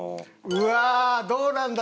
うわあどうなんだろう？